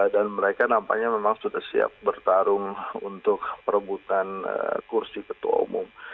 dan mereka nampaknya memang sudah siap bertarung untuk perebutan kursi ketua umum